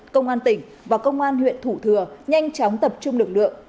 công an tỉnh và công an huyện thủ thừa nhanh chóng tập trung lực lượng